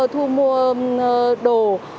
thu mua đồ